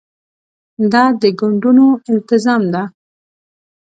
دا د ګوندونو التزام ده.